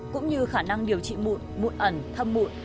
cũng như khả năng điều trị mụn mụn ẩm thâm mụn